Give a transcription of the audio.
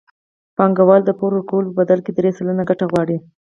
بانکوال د پور ورکولو په بدل کې درې سلنه ګټه غواړي